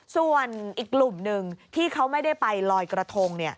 ส่วนอีกกลุ่มหนึ่งที่เขาไม่ได้ไปลอยกระทง